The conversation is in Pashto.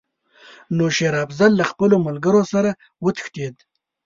نو شېر افضل له خپلو ملګرو سره وتښتېد.